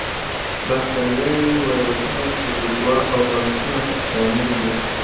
با کتریاوې، ویروسونه، پروتوزوا او فنګسونه په کې شامل دي.